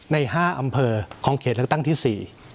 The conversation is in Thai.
ใน๕อำเภอของเขตเลือกตั้งที่๔